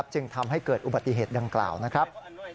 จึงทำให้เกิดอุบัติเหตุดังกล่าวนะครับ